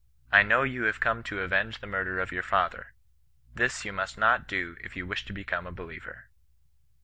* I know you have come to avenge the murder of your father ; this you must not do if you wish to become a believer.'